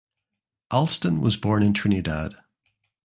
Alston was born in Trinidad.